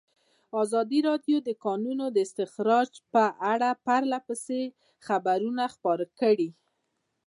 ازادي راډیو د د کانونو استخراج په اړه پرله پسې خبرونه خپاره کړي.